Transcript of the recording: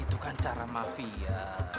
itu kan cara mafia